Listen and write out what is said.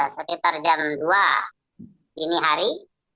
sekitar jam dua dini hari